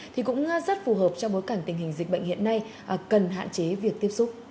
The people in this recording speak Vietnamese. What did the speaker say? thì cũng rất phù hợp trong bối cảnh tình hình dịch bệnh hiện nay cần hạn chế việc tiếp xúc